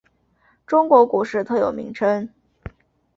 中国股市特有名称。